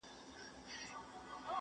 • نه څپلۍ نه به جامې د چا غلاکیږي -